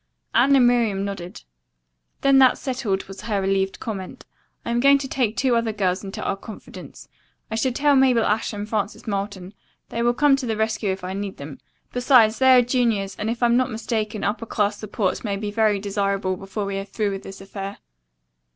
Anne and Miriam nodded. "Then that's settled," was her relieved comment. "I am going to take two other girls into our confidence. I shall tell Mabel Ashe and Frances Marlton. They will come to the rescue if I need them. Besides they are juniors, and if I am not mistaken, upper class support may be very desirable before we are through with this affair."